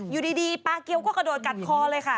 อยู่ดีปลาเกียวก็กระโดดกัดคอเลยค่ะ